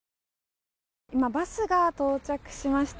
今、バスが到着しました。